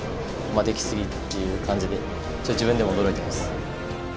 できすぎっていう感じで自分でも驚いてます。